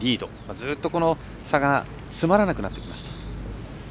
ずっと差が詰まらなくなってきました。